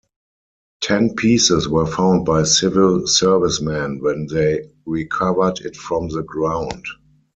Ten pieces were found by civil servicemen when they recovered it from the ground.